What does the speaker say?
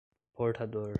portador